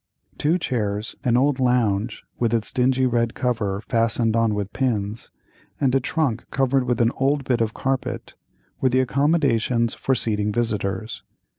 Two chairs, an old lounge with its dingy red cover fastened on with pins, and a trunk covered with an old bit of carpet, were the accommodations for seating visitors.